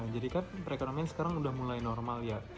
jadi kan perekonomian sekarang udah mulai normal ya